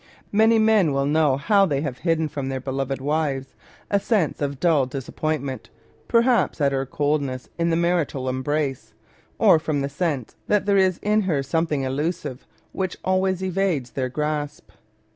Many men will know how they have hidden from their beloved wives ^2 Married Love a sense of dull disappointment, perhaps at her coldness in the marital embrace, or from the sense that there is in her something elusive which always evades their grasp.